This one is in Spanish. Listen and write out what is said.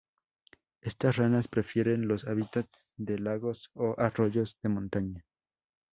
Estas ranas prefieren los hábitat de lagos o arroyos de montaña.